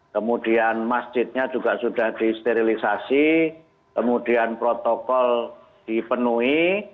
kemudian masjidnya juga sudah disterilisasi kemudian protokol dipenuhi